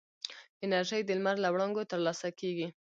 انرژي د لمر له وړانګو ترلاسه کېږي.